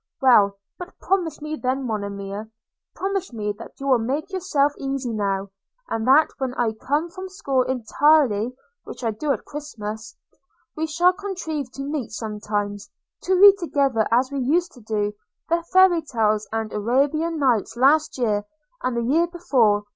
– Well, but promise me then, Monimia, promise me that you will make yourself easy now; and that when I come from school entirely, which I shall do at Christmas, we shall contrive to meet sometimes, and to read together, as we used to do, the Fairy Tales and Arabian Nights last year, and the year before.